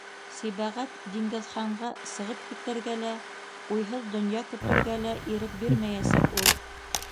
Сибәғәт-Диңгеҙханға сығып китергә лә, уйһыҙ донъя көтөргә лә ирек бирмәйәсәк ул...